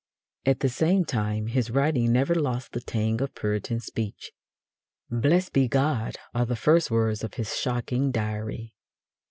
At the same time his writing never lost the tang of Puritan speech. "Blessed be God" are the first words of his shocking Diary.